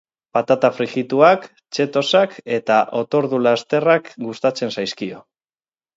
Patata frijituak, cheetosak eta otordu lasterrak gustatzen zaizkio.